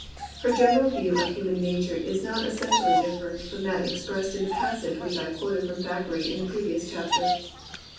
Her general view of human nature is not essen tially different from that expressed in a passage which I quoted from Thackeray in the previous chapter.